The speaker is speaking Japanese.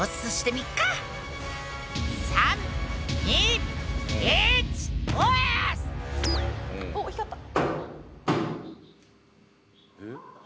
３２１おっ光った。